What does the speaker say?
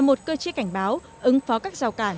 một cơ chế cảnh báo ứng phó các rào cản